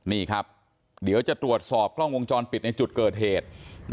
นี่ครับเดี๋ยวจะตรวจสอบกล้องวงจรปิดในจุดเกิดเหตุ